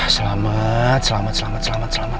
selamat selamat selamat selamat selamat